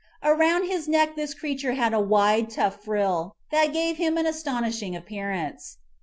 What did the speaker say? Around his neck this creature had a wide, tough frill that gave him an astonishing appearance.